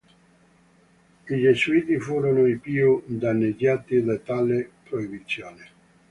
I Gesuiti furono i più danneggiati da tale proibizione.